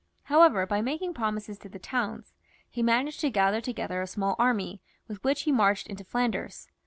However, by making promises to the towns, he managed to gather together a small army, with which he marched into Flanders.